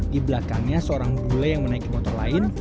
di belakangnya seorang bule yang menaiki motor lain